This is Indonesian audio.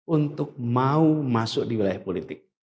untuk mau masuk di wilayah politik